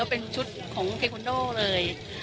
เป็นชุดของเทควันโดเลย